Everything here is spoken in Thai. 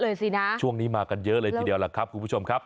สินะช่วงนี้มากันเยอะเลยทีเดียวล่ะครับคุณผู้ชมครับ